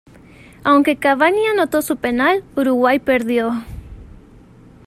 Aunque Cavani anotó su penal, Uruguay perdió.